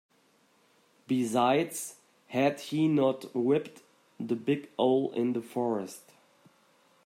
Besides, had he not whipped the big owl in the forest.